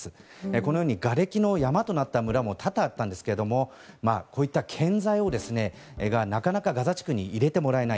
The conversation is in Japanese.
このようにがれきの山となった村も多々あったんですけどもこういった建材がなかなかガザ地区に入れてもらえない。